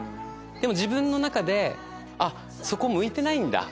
でも自分の中でそこ向いてないんだ！